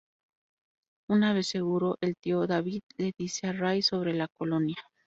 Una vez seguro, el tío David le dice a Ray sobre la Colonia.